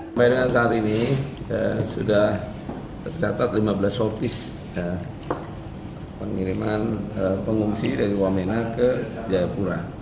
sampai dengan saat ini sudah tercatat lima belas sopis pengiriman pengungsi dari wamena ke jayapura